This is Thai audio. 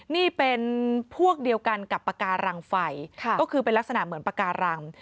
นี่เป็นพวกเดียวกันกับปากการังไฟก็คือเป็นลักษณะเหมือนปากการัง